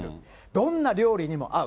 どんな料理にも合う。